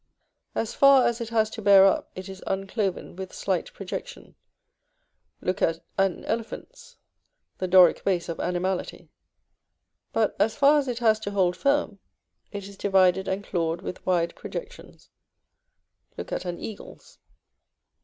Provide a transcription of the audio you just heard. As far as it has to bear up, it is uncloven, with slight projection, look at an elephant's (the Doric base of animality); but as far as it has to hold firm, it is divided and clawed, with wide projections, look at an eagle's.